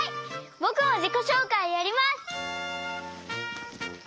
ぼくもじこしょうかいやります！